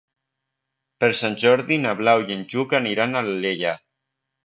Per Sant Jordi na Blau i en Lluc aniran a Alella.